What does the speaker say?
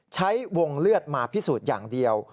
ใช้วงเลือดมาพิสูจน์อย่างเดียว